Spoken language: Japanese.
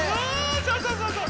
そうそうそうそう！